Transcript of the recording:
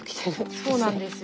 そうなんですよ。